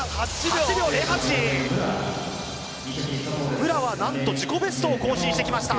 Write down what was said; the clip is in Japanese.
武良はなんと自己ベストを更新してきました。